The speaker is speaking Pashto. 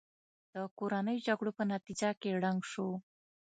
د کورنیو جګړو په نتیجه کې ړنګ شو.